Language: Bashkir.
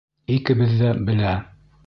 Икебеҙ ҙә белә.